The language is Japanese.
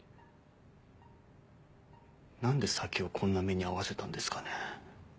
何で咲をこんな目に遭わせたんですかね。